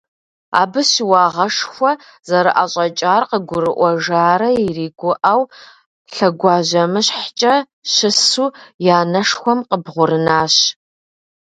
Абы щыуагъэшхуэ зэрыӀэщӀэкӀар къыгурыӀуэжарэ иригуӀэу, лъэгуажьэмыщхьэкӀэ щысу и анэшхуэм къыбгъурынащ.